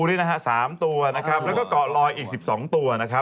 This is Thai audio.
แล้วก็เกาะลอยอีก๑๒ตัว